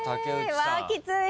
うわきつい！